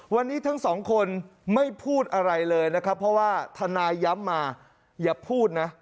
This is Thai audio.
วันนี้ทั้งสองคนไม่พูดอะไรเลยนะครับเพราะว่าทนายย้ำมาอย่าพูดนะ